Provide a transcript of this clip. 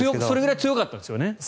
それぐらい強かったんですよね。